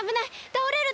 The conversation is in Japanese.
たおれる！